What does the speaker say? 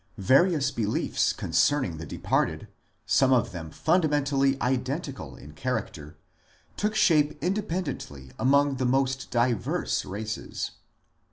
Various beliefs concerning the departed, some of them fundamentally identical in character, took shape independently among the most diverse races.